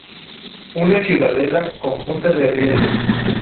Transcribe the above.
Une Ciudadela con Punta de Rieles.